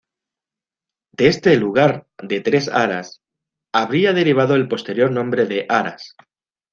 De este "lugar de Tres Aras" habría derivado el posterior nombre de "Aras".